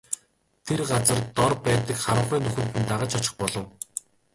Тэр газар дор байдаг харанхуй нүхэнд нь дагаж очих болов.